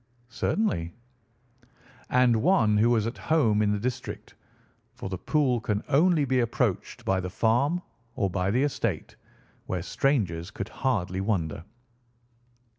"Certainly." "And one who was at home in the district, for the pool can only be approached by the farm or by the estate, where strangers could hardly wander."